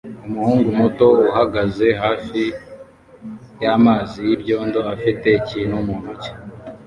Umuhungu muto uhagaze hafi y'amazi y'ibyondo afite ikintu mu ntoki